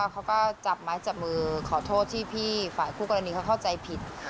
เขาก็จับไม้จับมือขอโทษที่พี่ฝ่ายคู่กรณีเขาเข้าใจผิด